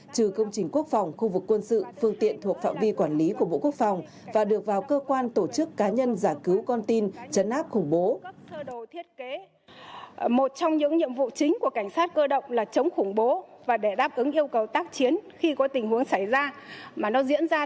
trừ công trình quốc phòng khu vực quân sự phương tiện thuộc phạm vi quản lý của bộ quốc phòng và được vào cơ quan tổ chức cá nhân giải cứu con tin chấn áp khủng bố